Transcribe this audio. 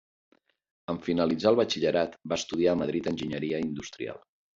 En finalitzar el batxillerat, va estudiar a Madrid enginyeria industrial.